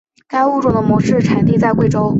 该物种的模式产地在贵州。